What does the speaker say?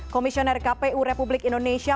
komisioner kpu republik indonesia